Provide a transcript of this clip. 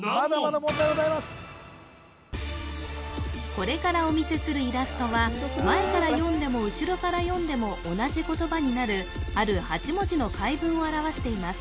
これからお見せするイラストは前から読んでも後ろから読んでも同じ言葉になるある８文字の回文を表しています